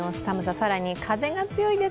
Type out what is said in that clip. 更に風が強いです。